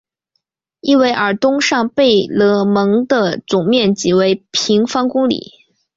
伊韦尔东上贝勒蒙的总面积为平方公里。